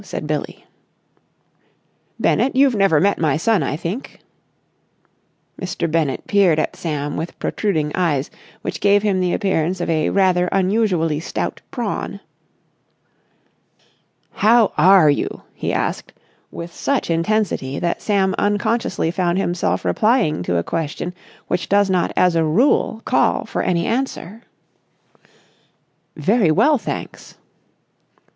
said Billie. "Bennett, you've never met my son, I think?" Mr. Bennett peered at Sam with protruding eyes which gave him the appearance of a rather unusually stout prawn. "How are you?" he asked, with such intensity that Sam unconsciously found himself replying to a question which does not as a rule call for any answer. "Very well, thanks."